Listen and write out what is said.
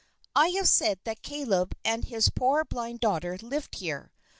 I have said that Caleb and his poor blind daughter lived here.